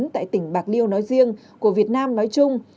tại tỉnh bạc liêu nói riêng của việt nam nói chung